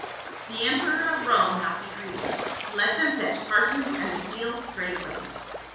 " The em peror of Rome hath decreed it. Let them fetch parchment and the seals straightway."